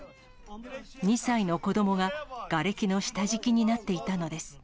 ２歳の子どもががれきの下敷きになっていたのです。